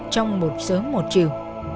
trong một sớm một chiều